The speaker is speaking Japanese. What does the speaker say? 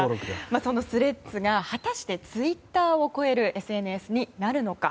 そのスレッズが果たしてツイッターを超えるＳＮＳになるのか。